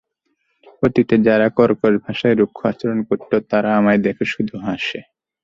অতিতে যারা কর্কশ ভাষায় রুক্ষ আচরণ করত, তারা আমায় দেখে শুধু হাসে।